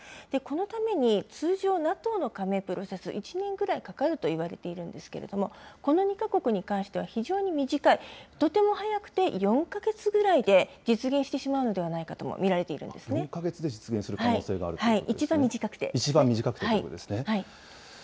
このために通常、ＮＡＴＯの加盟プロセス、１年ぐらいかかるといわれているんですけれども、この２か国に関しては、非常に短い、とても早くて４か月ぐらいで実現してしまうのではないかとも見ら４か月で実現する可能性があ一番短くて。